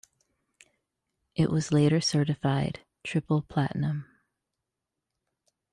It was later certified triple platinum.